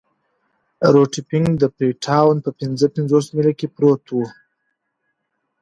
روټي فنک د فري ټاون په پنځه پنځوس میله کې پروت وو.